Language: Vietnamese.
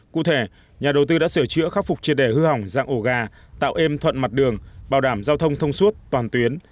cụ thể nhà đầu tư đã sửa chữa khắc phục triệt đề hư hỏng dạng ổ gà tạo êm thuận mặt đường bảo đảm giao thông thông suốt toàn tuyến